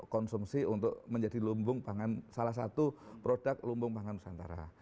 konsumsi untuk menjadi lumbung pangan salah satu produk lumbung pangan nusantara